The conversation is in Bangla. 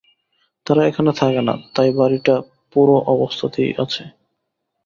তারা এখানে থাকে না, তাই বাড়িটা পোড়ো অবস্থাতেই আছে।